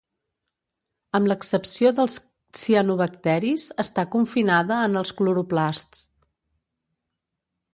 Amb l'excepció dels cianobacteris, està confinada en els cloroplasts.